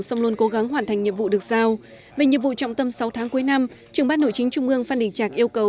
xong luôn cố gắng hoàn thành nhiệm vụ được giao về nhiệm vụ trọng tâm sáu tháng cuối năm trưởng ban nội chính trung ương phan đình trạc yêu cầu